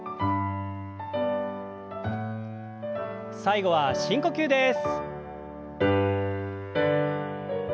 最後は深呼吸です。